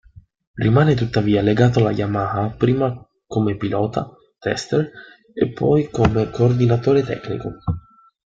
Rimane tuttavia legato alla Yamaha prima come pilota tester e poi come coordinatore tecnico.